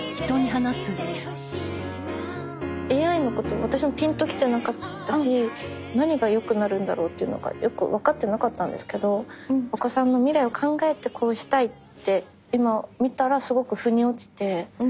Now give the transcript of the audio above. ＡＩのこと私もピンときてなかったし何がよくなるんだろうっていうのがよくわかってなかったんですけどお子さんの未来を考えてこうしたいって今見たらすごくふに落ちて。